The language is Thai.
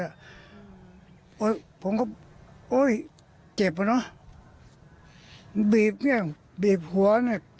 โอ๊ยผมก็โอ๊ยเจ็บอะเนอะบีบเนี่ยบีบหัวเนี่ย